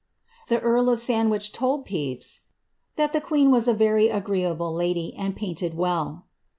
The earl of Sandwich told Pepys " that the queen was a very agreeable lady, and painted well."